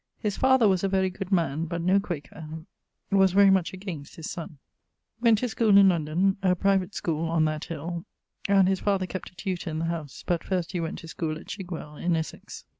(His father was a very good man, but no Quaker; was very much against his sonne.) Went to schoole in London, a private schole on that hill, and his father kept a tutor in the house: but first he went to school at Chigwell in Essex.